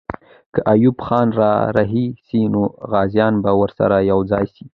که ایوب خان را رهي سي، نو غازیان به ورسره یو ځای سي.